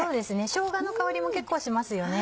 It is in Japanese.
しょうがの香りも結構しますよね。